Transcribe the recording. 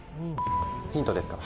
ヒントですか。